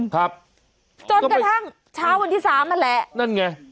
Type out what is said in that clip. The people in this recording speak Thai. จนกระทั่งเช้าวันที่๓นั่นแหละ